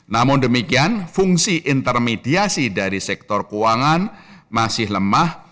namun demikian fungsi intermediasi dari sektor keuangan masih lemah